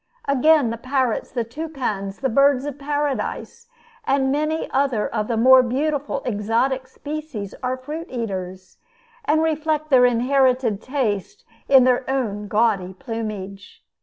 Again, the parrots, the toucans, the birds of paradise, and many other of the more beautiful exotic species, are fruit eaters, and reflect their inherited taste in their own gaudy plumage.